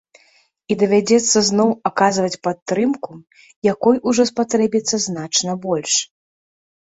І давядзецца зноў аказваць падтрымку, якой ужо спатрэбіцца значна больш.